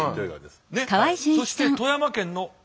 ねっそして富山県の。